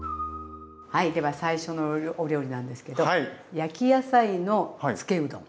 では最初のお料理なんですけど焼き野菜のつけうどん。